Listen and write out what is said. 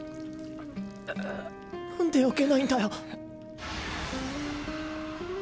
なんでよけないんだよ？